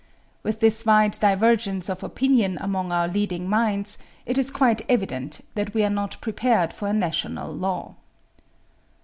With this wide divergence of opinion among our leading minds, it is quite evident that we are not prepared for a national law.